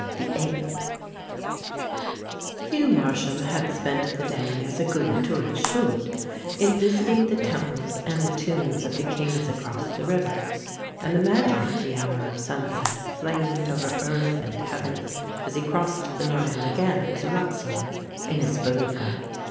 183 THE APE Hugh Marsh am had spent the day, as a good tourist should, in visiting the temples and the tombs of the kings across the river, and the magic of the hour of sunset flamed over earth and heaven as he crossed the Nile again to Luxor in his felucca.